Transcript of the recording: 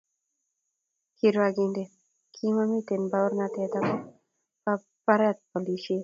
kirwakindet kimamiten baornatet ako ba baret ab polishit